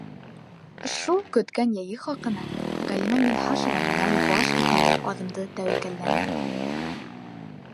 Шул көткән йәйе хаҡына Ғәлимә Минһажева менән баш китмәле аҙымды тәүәккәлләне.